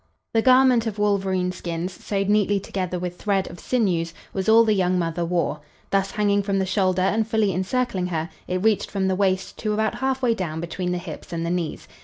The garment of wolverine skins, sewed neatly together with thread of sinews, was all the young mother wore. Thus hanging from the shoulder and fully encircling her, it reached from the waist to about half way down between the hips and the knees.